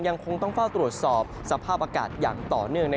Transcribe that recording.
ยังคงต้องเฝ้าตรวจสอบสภาพอากาศอย่างต่อเนื่อง